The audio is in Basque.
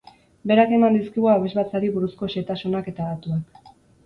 Berak eman dizkigu abesbatzari buruzko xehetasunak eta datuak.